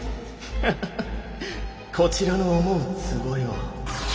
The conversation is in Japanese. ハハハッこちらの思うつぼよ。